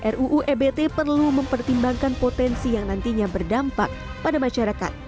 ruu ebt perlu mempertimbangkan potensi yang nantinya berdampak pada masyarakat